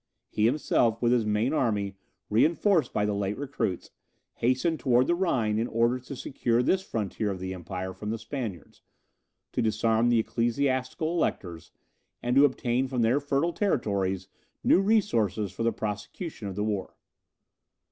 He himself with his main army, reinforced by the late recruits, hastened towards the Rhine in order to secure this frontier of the empire from the Spaniards; to disarm the ecclesiastical electors, and to obtain from their fertile territories new resources for the prosecution of the war.